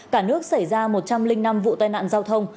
cả nước xảy ra một trăm linh năm vụ tai nạn giao thông